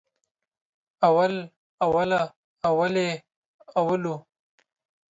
اول، اوله، اولې، اولو